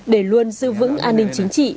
để luôn giữ vững an ninh chính trị